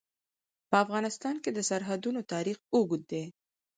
په افغانستان کې د سرحدونه تاریخ اوږد دی.